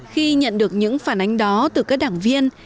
khi nhận được những phản ánh đó từ các đảng viên